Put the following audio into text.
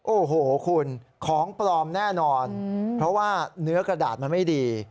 โอ้โหคุณของปลอมแน่นอนเพราะว่าเนื้อกระดาษมันไม่ดี